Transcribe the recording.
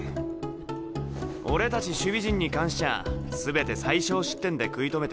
俺たち守備陣に関しちゃあ全て最少失点で食い止めてるでしょ。